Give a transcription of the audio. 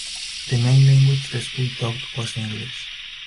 The main language the school taught was English.